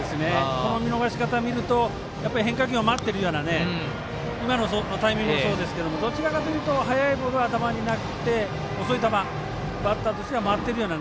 この見逃し方を見るとやっぱり変化球を待っているような今のタイミングもそうですがどちらかというと、速いボールは頭になくて遅い球バッターとしては待ってるような。